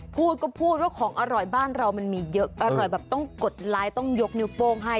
พูดก็พูดว่าของอร่อยบ้านเรามันมีเยอะอร่อยแบบต้องกดไลค์ต้องยกนิ้วโป้งให้